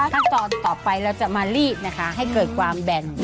ขั้นตอนต่อไปเราจะมาลีดนะคะให้เกิดความแบน